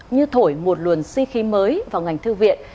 như thổi một luồng si khí mới vào ngành thư viện